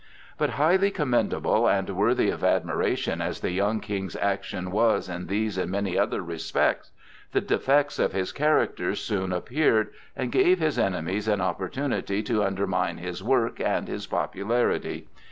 But highly commendable and worthy of admiration as the young King's action was in these and many other respects, the defects of his character soon appeared, and gave his enemies an opportunity to undermine his work and his popularity.